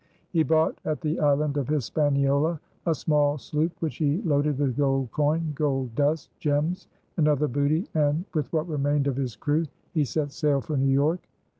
He bought at the island of Hispaniola a small sloop which he loaded with gold coin, gold dust, gems, and other booty and, with what remained of his crew, he set sail for New York.